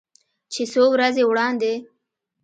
چې څو ورځې وړاندې